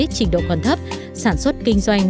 trình độ còn thấp sản xuất kinh doanh